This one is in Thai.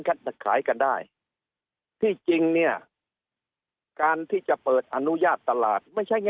จะขายกันได้ที่จริงเนี่ยการที่จะเปิดอนุญาตตลาดไม่ใช่แค่